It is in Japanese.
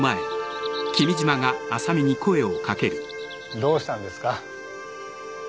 どうしたんですか？